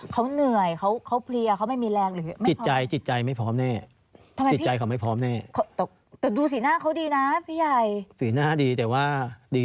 แต่ว่าดีและสีหน้า